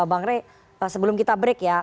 bang rey sebelum kita break ya